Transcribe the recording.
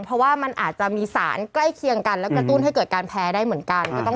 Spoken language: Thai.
เพราะว่ามันอาจจะมีสารใกล้เคียงกันแล้วกระตุ้นให้เกิดการแพ้ได้เหมือนกัน